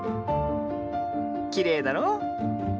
きれいだろう。